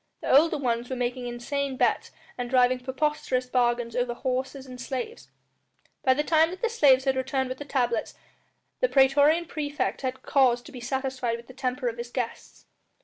The older ones were making insane bets and driving preposterous bargains over horses and slaves. By the time that the slaves had returned with the tablets the praetorian praefect had cause to be satisfied with the temper of his guests.